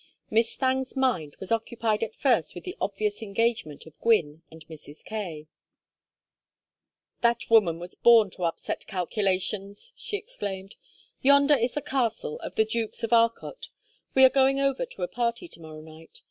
Miss Thangue's mind was occupied at first with the obvious engagement of Gwynne and Mrs. Kaye. "That woman was born to upset calculations!" she exclaimed. "Yonder is the castle of the dukes of Arcot. We are going over to a party to morrow night.